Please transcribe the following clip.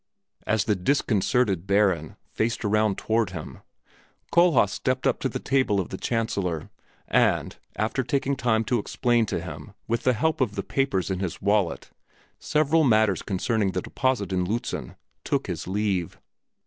As the disconcerted Baron faced around toward him, Kohlhaas stepped up to the table of the Chancellor, and, after taking time to explain to him, with the help of the papers in his wallet, several matters concerning the deposit in Lützen, took his leave.